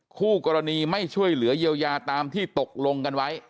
คู่กรณีไม่ช่วยเหลือเยียวยาตามที่ตกลงกันไว้